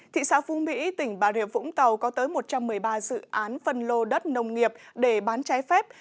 thị xã phú mỹ tỉnh bà rịa vũng tàu có tới một trăm một mươi ba dự án phân lô đất nông nghiệp để bán trái phép